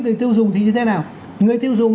người tiêu dùng thì như thế nào người tiêu dùng